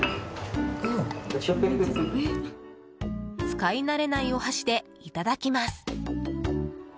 使い慣れないお箸でいただきます。